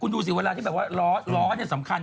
ดูสิเวลาที่แบบว่าล้อสำคัญ